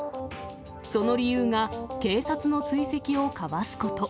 その理由が、警察の追跡をかわすこと。